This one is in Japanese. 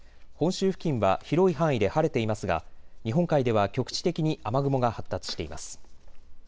本州付近は広い範囲で晴れていますが日本海では局地的に雨雲が発達しています。